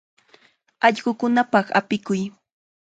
Allqukunapaq apikuy.